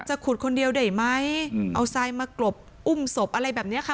ขุดคนเดียวได้ไหมเอาทรายมากรบอุ้มศพอะไรแบบนี้ค่ะ